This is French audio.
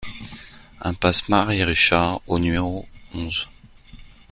Impasse Marie Richard au numéro onze